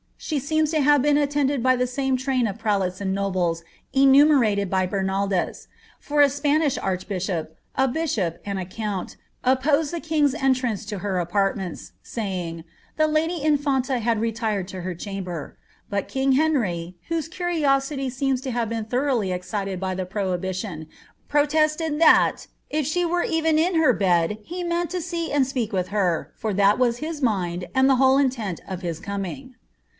She seems to have been attended by the same train of prelates and nobles enumerated by Bernaldes ; for a Spanish arciibishop, a bishop, and a count, opposed the king's entrance to her apartments, saying, ^ the lady infanta liad retired to Iier chamber;" but king Henry, whose curiosity seems to have been thotoughly excited by the proliibition, protested that ^^ if she were even in her bed he meant to see and speak with her, for that was his mind and the whole intent of his coming."